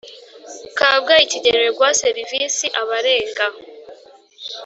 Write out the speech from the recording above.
Kabgayi kigenewe guha serivisi abarenga